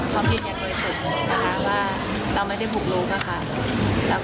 ขอบพิษอย่างที่ไว้สุขนะคะว่าเราไม่ได้พกลุ้งค่ะ